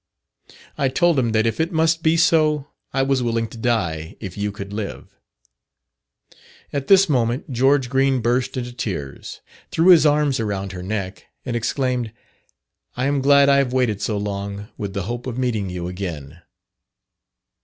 I told him that if it must be so I was willing to die if you could live." At this moment George Green burst into tears, threw his arms around her neck, and exclaimed, "I am glad I have waited so long, with the hope of meeting you again."